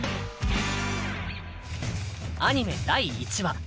アニメ第１話。